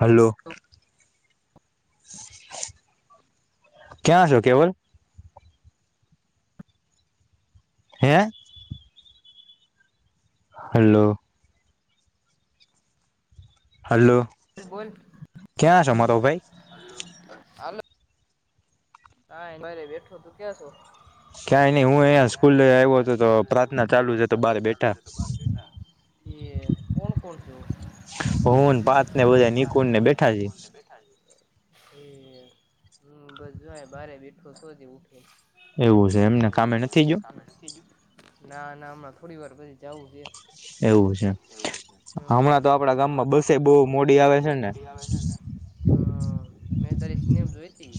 Hello. ક્યાં છો કેવલ? હે. હલો. હલ્લો. ફરિ બોલ. ક્યાં છો મારા ભાઈ? હાલ હારે બેઠો તું ક્યા છો? ક્યાં ન હું સ્કૂલ આવ્યો હતો તો પ્રાર્થના ચાલુ થઇ તો બાર બેઠા. એ કોણ કોણ છો. હું, પાર્થ ને બધા નીકુલ ને બેઠા છે. હ હમ્મ બસ જોય બારે બેઠો શોથી ઉઠે. એવું એ કામેય નથી ગયો. ના ના. હમણાં થોડી વાર પછી જવું છે. એવું છે. હમણાં તો આપડા ગામમાં બસે બહ મોડી આવે છે ને? હમ્મ મેં તારી સ્નેમ જોઈ તી.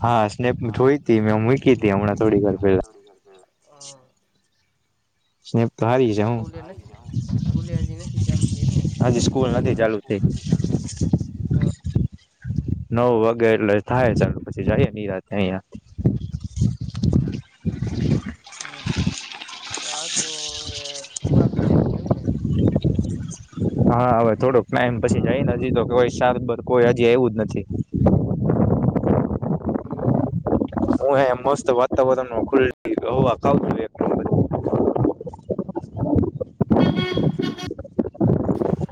હા. હા સ્નેપ જોઈ ટી મેં મૂકી હતી હમણાં ત્રણ દિવસ પેલા. હ. સ્કૂલે નઇ જવું. સ્કૂલ એ આજે ચાલુ થઇ એમને. આજે સ્કૂલ નથી ચાલુ થઇ. નવ વાગે એટલે થાય ચાલ પછી જાય નિરાત અહિયા. અહિયા. હા. આ જ તો મોડા થી જવુંનું એમ ને. હા હવે થોડુંક ટાઈમ પછી જાયને હજી તોઈ શારભર કોઈ હજી આયવુ જ નથી. હું હે મસ્ત વાતાવરણ માં ખુલી હવા ખાવ છું એમ.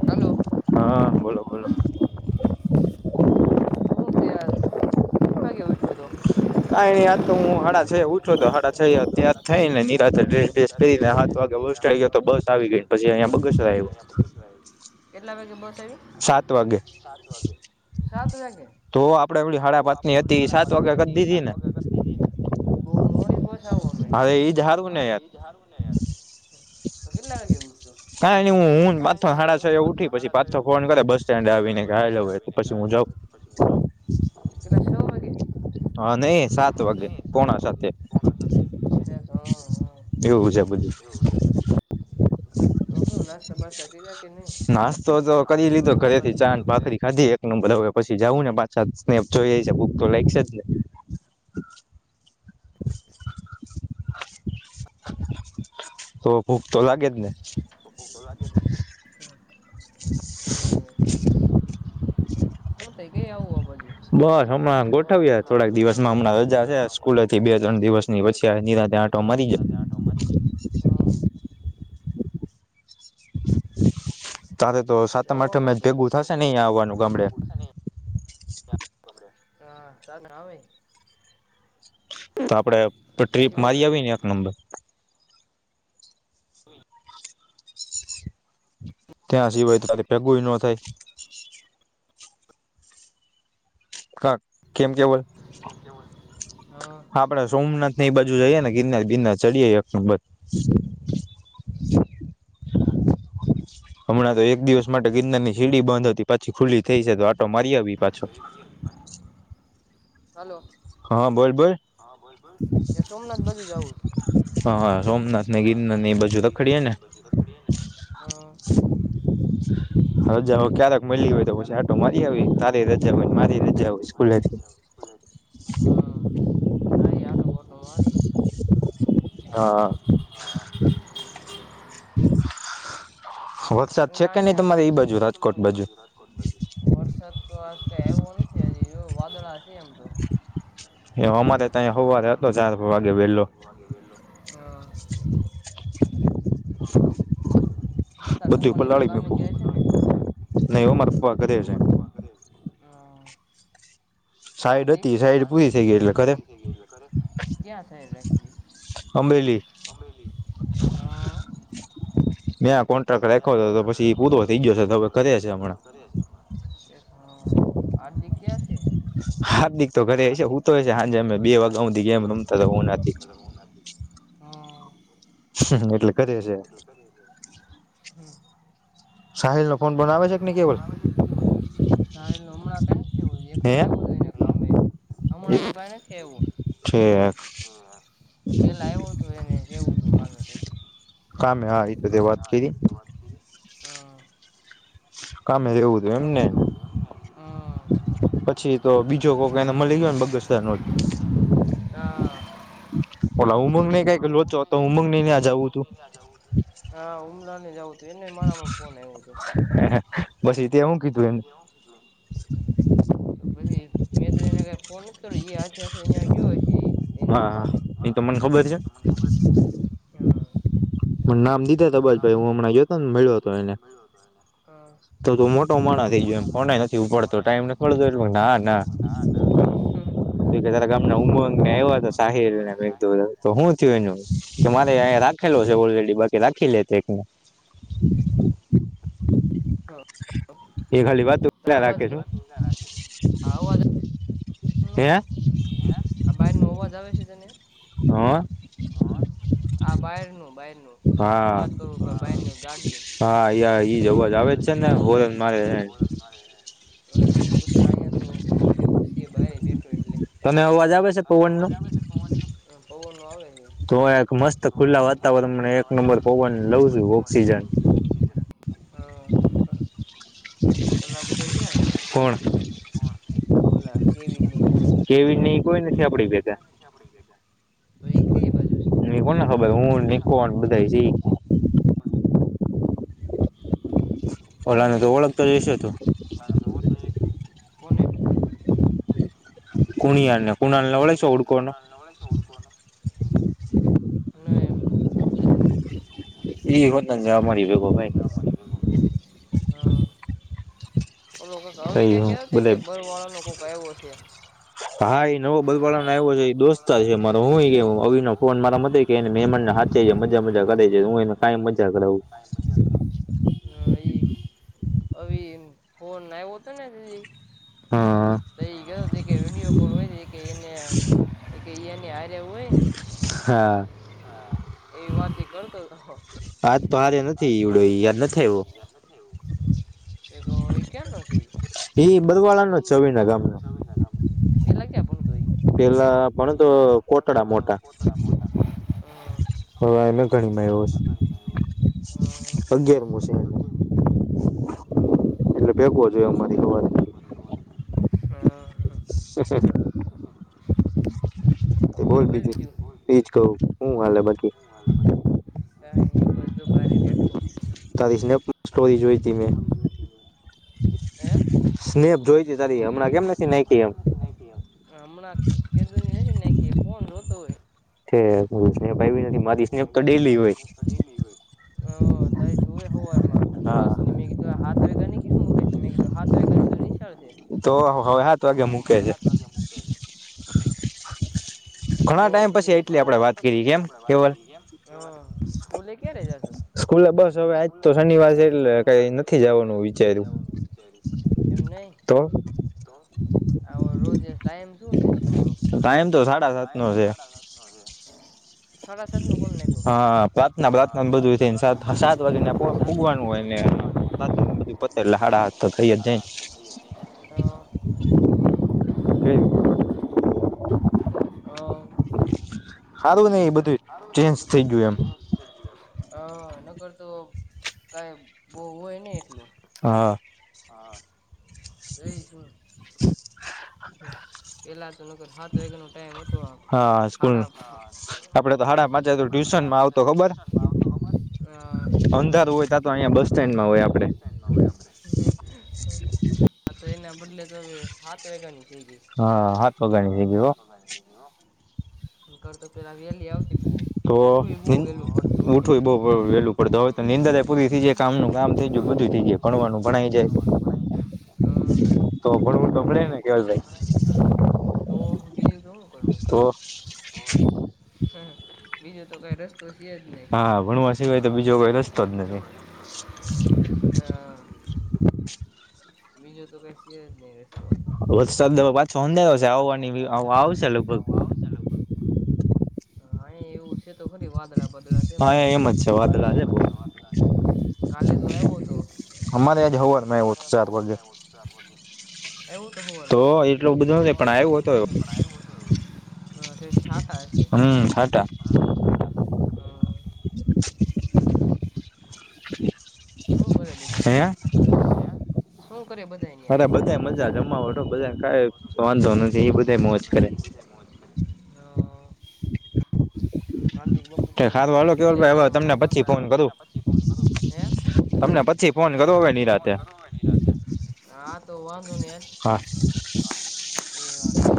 હલો. હા. હ ત કેટલા વાગે ઉઠ્યો તો? કાયની આજ તો હું હડા છે ઉઠો તો હડા છે ત્યાં થઈ ને નિરા ડ્રેસ ડ્રેસ પહેરીને બસ સ્ટેન્ડ ગયો તો બસ આવી ગઈ પછી અહિયાયા બગસરા આવ્યો. કેટલા વાગે બસ આવી? સાત વાગે સાત વાગે! તો આપડે એમ હાડા પાંચની હતી તે સાત વાગ્યાની કરી દીધી ને? બો મોડી [unintelligible] હવે ઈ જ સારુ ને યાર. તો કેટલા વાગે ઉઠયો? કાયની હું પાથો હાડાછયો ઉઠી પછી પાછથો ફોન કર્યો બસ સ્ટેન્ડે આવીને ઘરે જવુ હોય પછી હું જાઉં. પેલા છ વાગે હા નહી સાત વાગે પોણા સાતે. એક હમ હ. તો હું નાસ્તા બાસ્તા કર્યા ક નાસ્તો તો કરી લીધો ઘરે થી ચા ને ભાખરી ખાધી એક. એ બધા પીછુ ને પાછાત સ્નેપ જોઈ જાય છે ભુખ તો લાગશે જ ને. તો ભૂખ તો લાગે જ ને. તો ભૂખ તો લાગે જ ને. એ હું થઈ ગઈ આવું હો બાજુ. બસ હમણા ગોઠવ્યે થોડાક દિવસમાં હમણાં રજા છે સ્કૂલથી બે ત્રણ દિવસ ની પછી નીરા ત આંટો મારીએ. તારે તો સાતમ આઠમે જ ભેગું થશેને અયા આવવાનું ગામડે. હા [unintelligible] સાર ના કસવાય ત [unintelligible] ત્યાં સિવાય તારી ભેગુંય ન થાય. ક કેમ કેવલ આપડે સોમનાથ ની એ બાજુ જઈએ ને. ગિરનાર બિરનાર ચડીએ જ એક બર. હમણાં તો એક દિવસ માટે ગિરનાર ની સીડી બંધ હતી પછી ખુલ્લી થઈ છે તો આટો મારી આવી હલો. હા બોલ બોલ એ સોમનાથ બાજુ જવું? હા સોમનાથ ને ગિરનાર એ બાજુ રખડીએે ને. રખડીએ ને. હ ક્યારેક [unintelligible] કારજકૂ [unintelligible] હા હ એ આટો વોટો મારી. હા. [inaudible] હમ [inaudible] ના છે કે નહી તમારે એ બાજુ રાજકોટ બાજુ વર્ષ છત તો કઈ આવ્યો નથી હજી જો વાદળા છે એમ તો. અમારે ત હોવા જતોર વેલો. હ [inaudible] હું તાર પપ્પાને તો કામ ગયા છે ને [unintelligible] હા. [inaudible] હાર્દિક સા સા થઈ ગ ક્યાં સાઈડ રાખી અલી હા મે આ કોન્ટ્રાક્ટ રાખ્યો હતો પછી પૂરો થઇ ગયો છે કર્યા છે અમે. હ હાર્દિક ક્યાં છે? હાર્દિક તો ઘરે છે હું તોય છે હા બે વાખતા સુધી ગેમ હાટ [unintelligible] હમ સાહિલ નો ફોન બોન આવે છે કે ને કેવલ? સાહિલનો હમણાં કઈ ખું એક વાર એવું થ ને હમણાં નથી આવ્યો પેલા એવું હતું એને રેવું તું કનું હતું. કમે તો દ વાત હ. કામે એવું થય એમ ને. પછી એ તો બીજો કોક એને મળી ગયોને બગસરા નો. ઓલા ઉમંગ નઈ કઈ લોચો તો ઉમંગ નઈ ને ત્યા જવું હતું. હા હમ ના ને જવ હ પછી તે હું કીધું એને? મેં તો એને કાંઈ ફોન કર્યો, ઈ એ હાથે-હાથે અહીયાં ગયો હજી ની દુકાને, હમ્મ. પણ નામ દીધા અબાજ ભાઈ હું હમણાંયો હતો ને મળ્યો હતો એને હ તો તો તો મોટો માણા થઈ ગયો એમ ફોન નથી ઉપડતો ટાઈમ નથી પડતો એ ના ના જો કે તારા ગામને ઊંઘોંગને આવ્યા સાહેરને મેધ તો હું કે મારે અયા રાખેલો છે ઓલરેડી બાકી રાખી લેતો એકને [inaudible] અહ [unintelligible] આ અવાજ આ [unintelligible] આ બાયર નું અવાજ આવે છે તને? આ બાયરનું, બાય રનું, હું વાત કરું તો બાયર નું ગાડી ઈ બધે અહીયાં તો એવું સ કે બાહિર બેઠો એટલે, તને અવાજ આવે સે પવન નો? પવન નો આવે હે. તો એક મસ્ત ખુલ્લા વાતાવરણ મને એક નંબર પવન લઉં છું ઓક્સિજન. ઓક્સિજન હમ્મ, ઓલા બધાય ક્યા હે? ઓલા કેવીન ને ઈ બધાય. કેવીન ને ઈ કોઈ નથી આપડી ભેગાં. તો ઈ કઈ બાજુ સ? ઈ કોને ખબર હું [unintelligible] [unintelligible] ઓલા ને તો ઓળખતો જ હયશે તું? કોને? કુણ્યાને, કુણાલ ને ઓળખશો [unintelligible] ને હા. ઓલો રવિ કાંઈક કેતો તો કે બરવાળો નો કોક આયવો સે. હા, એ નવો બલવાળાનો આયવો છે, ઈ દોસ્તાર છે મારો, હું ઈ કે અવિ નો ફોન મારા [unintelligible] કે એને મેમનના હાચેજે, મજા-મજા કરે છે હું એને [unintelligible] હા ઈ અવિ ફોન આયવો તો ને ઈ તો ઈ કેતો કે ઈ વિડીયો કોલ હોય ઈ કે એને કે ઈ એની હારે હોય હા. એવી વાત ઈ કરતો તો. વાત તો હારી નથ એક ક્યાં નો સે ઈ? ઈ બરવાળા નો જ સે, અવિ ના ગામનો. પહેલાં ક્યા ભણતો ઈ? પેલા ભણતો કોતડા મોટા હવે અયા [unintelligible] માં આયવો સ. હમ્મ-હમ્મ. તો ભેગો જ હોય [inaudible] હા. [inaudible] [inaudible] બોલ-બોલ બીજું, બોલ બીજું. ઈ જ કહું હું હું હાલ હે બાકી? કાંઈ નહીં. [unintelligible] બહારે બેઠો હું. હે? સ્નેપ જોઈ તી તારી, હમણા કેમ નથી નાયખી એમ? હમણાં કેદુંની નથી નાયખી હે, ફોન જોતો હોય. છે સ્નેપ આવી નથી મારી સ્નેપ તો ડેલી હોય હ તારી તુંય હોમાં બસ ને મેં કીધું હાથ વગા ની કેમ મકે છે મેં કીધું હાત વગા ની નિશાળ છેવે વાગ [unintelligible] તો પછી, ઘણા ટાઈમ પછી આપડે આટલી વાત કરી કેમ? હા. સ્કૂલે ક્યારે જાશો? સ્કૂલે બસ હવે આજ તો શનિવાર સે, એટલે કાંઈ નથી જવાનું વિચાર્યું. એમ નહીં, તો? રોજ ટમ શું સ્ૂલ ન સાડા સાત ન સાડા સાત નો કો નાખો હ ના રાત ના બધું થને સાત સાત વાગે ને ભગવાનું હોય ને રાતધ ઉપ હાડા તો ક જ જ તો અ હ નકરતો કઈ બહ હોય ને એટલું હા હા જઈ શું પેલા તો ન કર હા તોગ ન ટાઈમ તો હાડા આપ હ આવતોર અંધાર હોય તાર અહ બસ સેન્ તો એના બદલે તો હાથ વેગાની થ ગ હ કરતો પેલા વેલી આવતી બ તો હં પ કામ [unintelligible] ભણવાનું ભણ જ તો ભણભને ખ તો બીજું તો શું કરું બીજો તો કઈ રસ્તો છે એ જને હા [unintelligible] મી જોતો ક સ નહી રસતો છ આવવાની આવશે હા એ એવું છે તો ખરી વાદળા પદળ ામ કાલે તો આવો હતો અમારે યા જવુંવ ચારજુ એવું તો હો પણ આવ હ છાટ છે હમ છા હ [unintelligible] શું કરે બધાને શું કર્યું બધા અ જ સન બધ મોજ હ ગાંધી સ્ૂલે જાય છેનેમ પછ ફ કર તમને પછી ફોન કરો હવે નિનીરાતે હા તો વાંધો ને ાર એ વાંધો ન